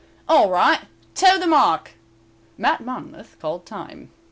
"All right, toe the mark!" Mat Monmouth called time.